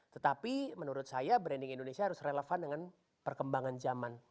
tetapi menurut saya branding indonesia harus relevan dengan perkembangan zaman